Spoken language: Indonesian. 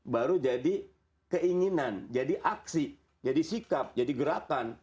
baru jadi keinginan jadi aksi jadi sikap jadi gerakan